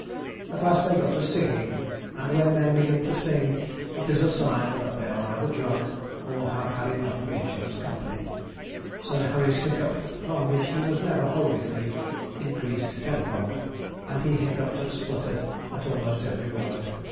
At last they got to singing, and when men begin to sing, it is a sign that they are either drunk, or have had enough of each other's company. Sir Harry's hiccup, from which he was never wholly free, increased tenfold, and he hiccuped and spluttered at almost every word.